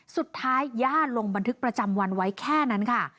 ย่าลงบันทึกประจำวันไว้แค่นั้นค่ะ